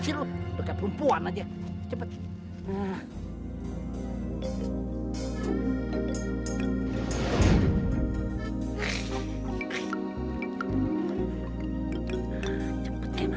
sih lu ke perempuan aja cepet cepet